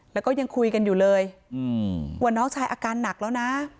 แล้วก็ยังคุยกันอยู่เลยว่าน้องชายอาการหนักแล้วนะ